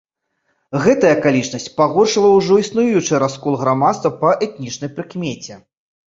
Гэтая акалічнасць пагоршыла ўжо існуючы раскол грамадства па этнічнай прыкмеце.